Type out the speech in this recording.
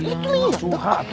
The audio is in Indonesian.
kotor gitu lihat